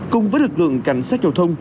cùng với lực lượng cảnh sát giao thông